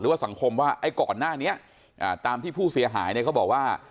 ว่าสังคมว่าไอ้ก่อนหน้านี้ตามที่ผู้เสียหายเนี่ยเขาบอกว่า